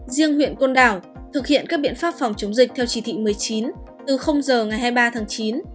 riêng huyện côn đảo thực hiện các biện pháp phòng chống dịch theo chỉ thị một mươi chín từ giờ ngày hai mươi ba tháng chín